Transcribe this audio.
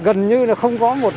gần như là không có bệnh nhân